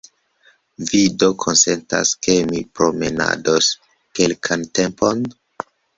Vi do konsentas, ke ni promenados kelkan tempon?